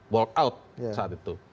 walk out saat itu